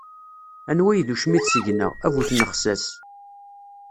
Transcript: Anwa i d ucmit seg-nneɣ, a bu tnexsas.